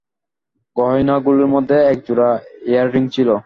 গহনাগুলির মধ্যে একজোড়া এয়ারিং ছিল।